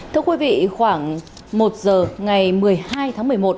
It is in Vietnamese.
thưa quý vị khoảng một giờ ngày một mươi hai tháng một mươi một